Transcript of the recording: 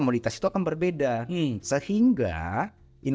mending beras itu terkenal janjil